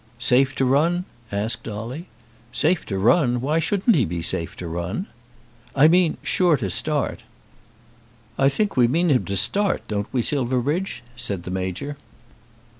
"Safe to run?" asked Dolly. "Safe to run! Why shouldn't he be safe to run?" "I mean sure to start." "I think we mean him to start, don't we, Silverbridge?" said the Major.